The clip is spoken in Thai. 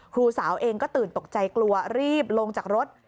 ครูสาวเองก็ตื่นตกใจกลัวรีบลงจากรถ